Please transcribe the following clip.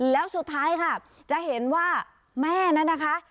แล้วสุดท้ายค่ะจะเห็นว่าแม่นั้นนะคะ